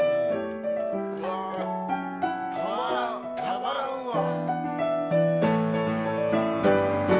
たまらんわ！